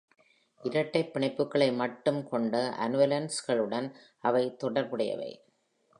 இரட்டைப் பிணைப்புகளை மட்டும் கொண்ட annulene-களுடன் அவை தொடர்புடையவை.